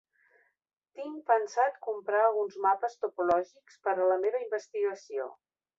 Tinc pensat comprar alguns mapes topològics per a la meva investigació.